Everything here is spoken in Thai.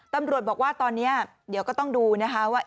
ตำรวจบอกว่าตอนนี้เดี๋ยวก็ต้องดูนะคะว่า